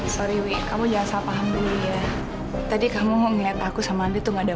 sorry kamu jangan paham tadi kamu ngeliat aku sama itu nggak ada